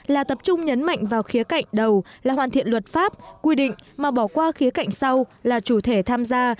là tập trung nhấn mạnh vào khía cạnh đầu là hoàn thiện luật pháp quy định mà bỏ qua khía cạnh sau là chủ thể tham gia